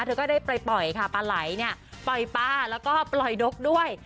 เธอก็ได้ปล่อยค่ะปลาไหลเนี่ยปล่อยปลาแล้วก็ปล่อยนกด้วย